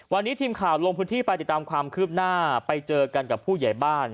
วันนี้ทีมข่าวลงพื้นที่ไปติดตามความคืบหน้าไปเจอกันกับผู้ใหญ่บ้าน